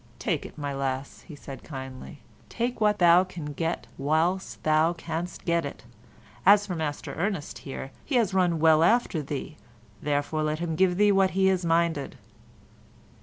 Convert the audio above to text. "Take it, my lass," he said kindly, "take what thou canst get whiles thou canst get it; as for Master Ernest here—he has run well after thee; therefore let him give thee what he is minded."